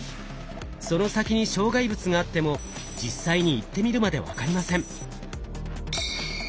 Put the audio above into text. その先に障害物があっても実際に行ってみるまで分かりません。